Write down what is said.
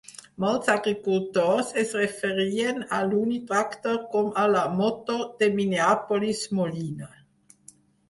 Molts agricultors es referien a l'Uni-Tractor com a la "moto de Minneapolis-Moline".